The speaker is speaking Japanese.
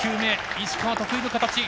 石川、得意の形。